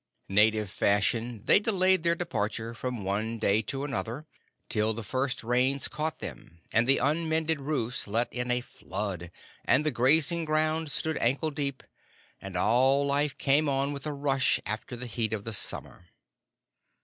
Native fashion, they delayed their departure from one day to another till the first Rains caught them and the unmended roofs let in a flood, and the grazing ground stood ankle deep, and all life came on with a rush after the heat of the summer.